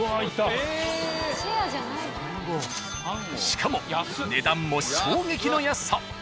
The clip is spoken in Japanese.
しかも値段も衝撃の安さ！